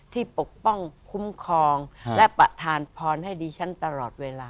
ปกป้องคุ้มครองและประธานพรให้ดิฉันตลอดเวลา